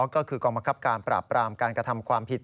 ก็คือกองบังคับการปราบปรามการกระทำความผิด